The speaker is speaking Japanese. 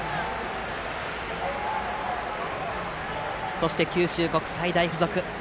そして九州国際大付属。